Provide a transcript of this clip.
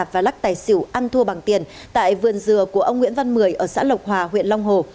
và lắc tài xỉu ăn thua bằng tiền tại vườn dừa của ông nguyễn văn mười ở xã lộc hòa huyện long hồ